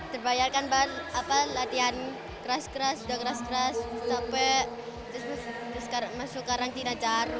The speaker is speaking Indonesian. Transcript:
terbayar kan latihan keras keras sudah keras keras capek terus masuk karantina